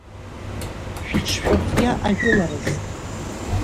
Шәыҽшәырхиа ажәылараз!